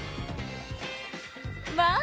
まあ！